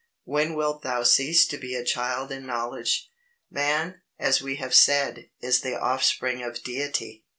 When wilt thou cease to be a child in knowledge? Man, as we have said, is the offspring of Deity.